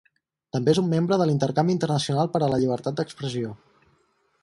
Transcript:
També és un membre de l'Intercanvi Internacional per la Llibertat d'Expressió.